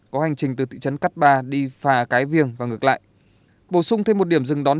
có hành trình từ thị trấn cát ba đi phà cái viềng và ngược lại bổ sung thêm một điểm dừng đón